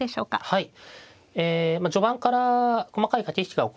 はい。